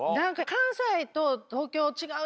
関西と東京違う